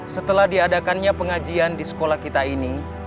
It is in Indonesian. setelah diadakannya pengajian di sekolah kita ini